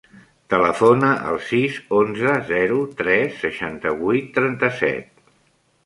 Telefona al sis, onze, zero, tres, seixanta-vuit, trenta-set.